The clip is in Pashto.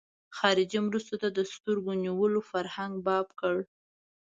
خارجي مرستو ته د سترګو نیولو فرهنګ باب کړ.